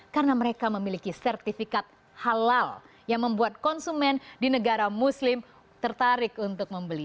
karena mereka memiliki sertifikat halal yang membuat konsumen di negara muslim tertarik untuk membeli